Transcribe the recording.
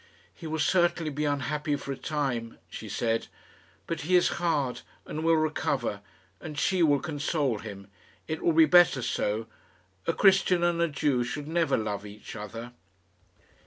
"He will certainly be unhappy for a time," she said; "but he is hard and will recover, and she will console him. It will be better so. A Christian and a Jew should never love each other."